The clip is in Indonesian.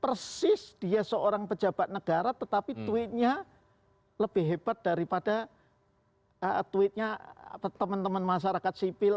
persis dia seorang pejabat negara tetapi tweetnya lebih hebat daripada tweetnya teman teman masyarakat sipil